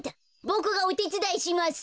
ボクがおてつだいします。